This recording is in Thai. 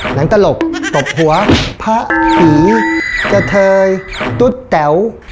หนังตลกตบหัวพระเห๋จเทยจุ๊คเต๋ว